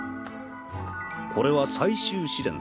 これは最終試練だ。